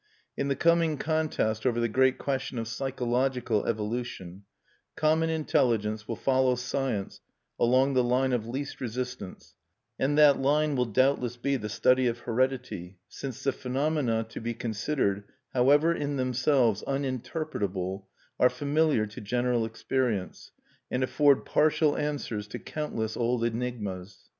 In the coming contest over the great question of psychological evolution, common intelligence will follow Science along the line of least resistance; and that line will doubtless be the study of heredity, since the phenomena to be considered, however in themselves uninterpretable, are familiar to general experience, and afford partial answers to countless old enigmas.